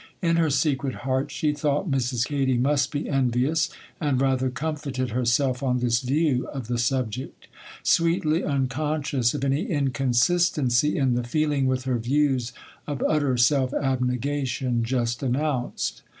In her secret heart she thought Mrs. Katy must be envious, and rather comforted herself on this view of the subject,—sweetly unconscious of any inconsistency in the feeling with her views of utter self abnegation just announced.